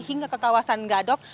hingga ke kawasan gadok